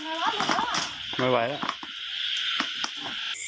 ไม่ไหวแล้วไม่ไหวแล้ว